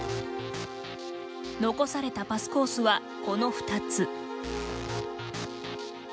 残されたパスコースは、この２つ。